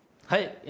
はい。